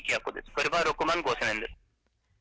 これは６万５０００円です。